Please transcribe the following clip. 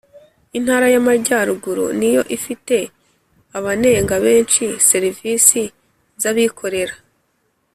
Intara y Amajyaruguru niyo ifite abanenga benshi ser isi z abikorera